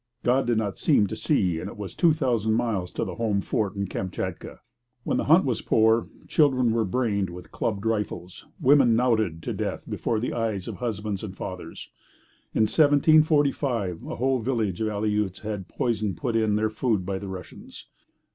God did not seem to see; and it was two thousand miles to the home fort in Kamchatka. When the hunt was poor, children were brained with clubbed rifles, women knouted to death before the eyes of husbands and fathers. In 1745 a whole village of Aleuts had poison put in their food by the Russians.